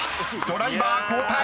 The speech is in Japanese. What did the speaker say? ［ドライバー交代］